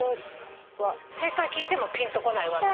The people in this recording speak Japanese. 正解聞いてもぴんとこないわ私。